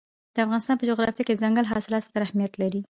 د افغانستان په جغرافیه کې دځنګل حاصلات ستر اهمیت لري.